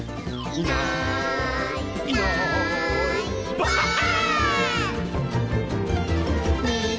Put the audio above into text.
「いないいないばあっ！」